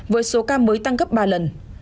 với số ca mới tăng gấp ba lần